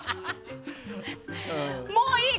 もういい！